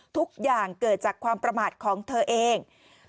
ทุกอย่างเกิดจากความประมาทของเธอเอง